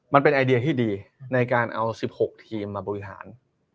มันเป็นไอเดียที่ดีในการเอา๑๖ทีมมาบริหาร